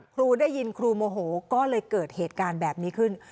ครูได้ยินครูโมโหก็เลยเกิดเหตุการณ์แบบนี้ขึ้น